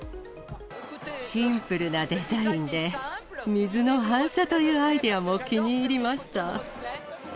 シンプルなデザインで、水の反射というアイデアも気に入りました。